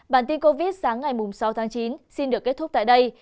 bản tin covid sáng ngày sáu tháng chín xin được kết thúc tại đây